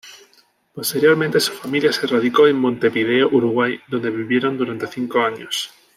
Posteriormente su familia se radicó en Montevideo, Uruguay, donde vivieron durante cinco años.